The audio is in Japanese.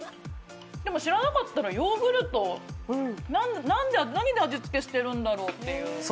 でも知らなかったら何で味付けしてるんだろっていう。